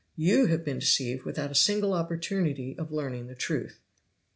You have been deceived without a single opportunity of learning the truth.